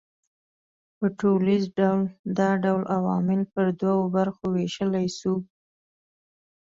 په ټوليز ډول دا ډول عوامل پر دوو برخو وېشلای سو